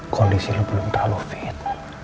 kondisi lo belum terlalu fit